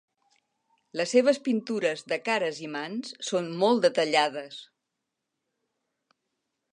Les seves pintures de cares i mans són molt detallades.